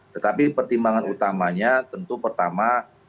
tetapi pertimbangan utamanya tentu pertama